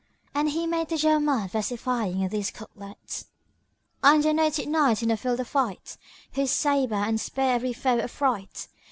And he made at Jawamard versifying in these couplets, "I'm the noted knight in the field of fight, * Whose sabre and spear every foe affright!